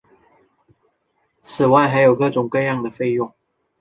此外还有各种各样的费用。